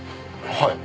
はい。